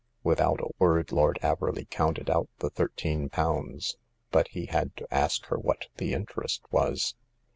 Without a word Lord Averley counted out the thirteen pounds, but he had to ask her what the interest was.